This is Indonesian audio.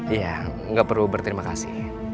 iya nggak perlu berterima kasih